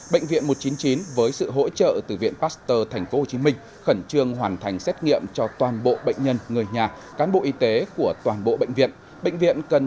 bệnh viện một trăm chín mươi chín với sự hỗ trợ từ viện pasteur tp hcm khẩn trương hoàn thành xét nghiệm cho toàn bộ bệnh nhân người nhà cán bộ y tế của toàn bộ bệnh viện